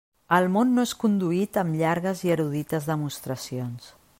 El món no és conduït amb llargues i erudites demostracions.